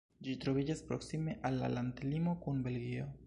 Ĝi troviĝas proksime al la landlimo kun Belgio.